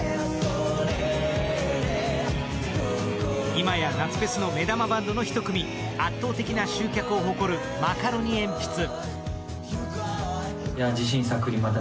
今や夏フェスの目玉バンドの１組、圧倒的な集客を誇るマカロニえんぴつ。